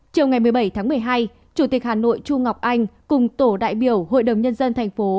chiều ngày một mươi bảy tháng một mươi hai chủ tịch hà nội chu ngọc anh cùng tổ đại biểu hội đồng nhân dân thành phố